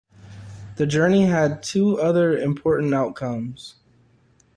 The journey had two other important outcomes.